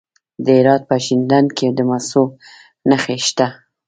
د هرات په شینډنډ کې د مسو نښې شته.